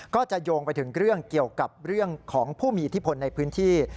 ก็จะโยงไปถึงเรื่องเกี่ยวกับเรื่องของผู้มีอิทธิพลในพื้นที่